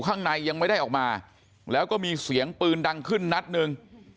ข้างในยังไม่ได้ออกมาแล้วก็มีเสียงปืนดังขึ้นนัดหนึ่ง